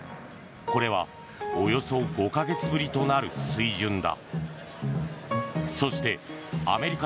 これはおよそ５か月ぶりとなる水準だ。